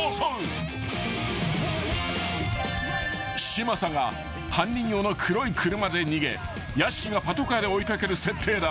［嶋佐が犯人用の黒い車で逃げ屋敷がパトカーで追い掛ける設定だ］